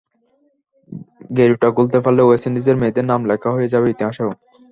গেরোটা খুলতে পারলে ওয়েস্ট ইন্ডিজের মেয়েদের নাম লেখা হয়ে যাবে ইতিহাসেও।